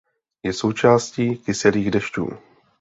Je součástí kyselých dešťů.